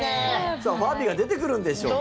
さあ、ファービーが出てくるんでしょうか。